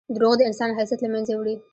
• دروغ د انسان حیثیت له منځه وړي.